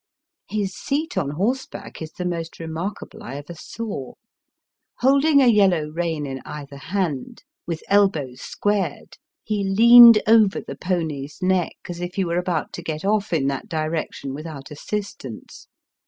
His seat on horseback is the most remarkable I ever saw. Holding a yellow rein in either hand, with elbows squared, he leaned over the pony's neck as if he were about to get off in that direction without assistance.